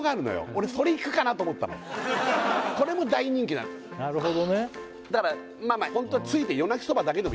俺それいくかなと思ったのこれも大人気なのなるほどねだから着いてマジで？